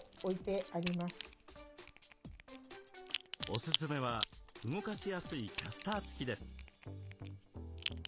おすすめは動かしやすいキャスター付きです。